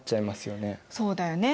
そうだよね。